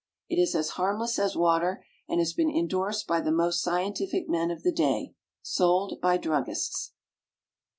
It is as harmless as water, and has been indorsed by the most scientific men of the day. Sold by druggists.